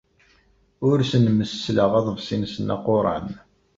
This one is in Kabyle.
Ur asen-messleɣ aḍebsi-nsen aquran.